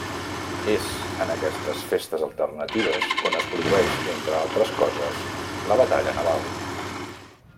És en aquestes festes alternatives on es produeix -entre altres coses- la batalla naval.